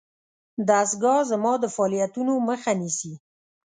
دستګاه زما د فعالیتونو مخه نیسي.